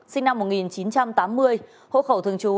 sinh năm một nghìn chín trăm tám mươi hộ khẩu thường trú